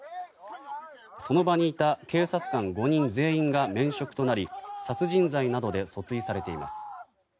その場にいた警察官５人全員が免職となり殺人罪などで訴追されています。